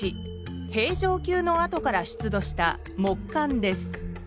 平城宮の跡から出土した木簡です。